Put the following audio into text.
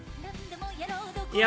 いや